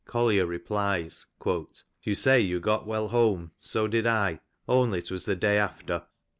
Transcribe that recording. Oollier replies :^^ You say you got well home ;^ so did T, only ^twas the day after.